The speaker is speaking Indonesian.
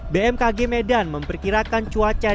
bmkg medan memperkirakan cuaca di